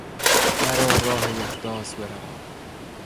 مرا راه یخداز بروم